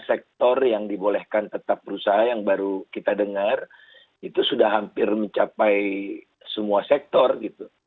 sektor yang dibolehkan tetap berusaha yang baru kita dengar itu sudah hampir mencapai semua sektor gitu